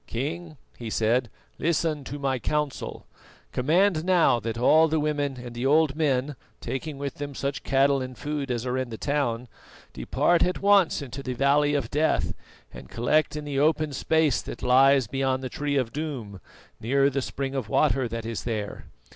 "King," he said, "listen to my counsel: Command now that all the women and the old men, taking with them such cattle and food as are in the town, depart at once into the Valley of Death and collect in the open space that lies beyond the Tree of Doom, near the spring of water that is there.